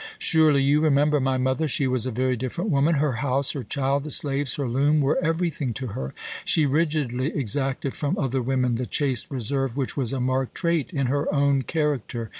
Surely you remember my mother: she was a very different woman. Her house, her child, the slaves, her loom, were everything to her. She rigidly exacted from other women the chaste reserve which was a marked trait in her own character.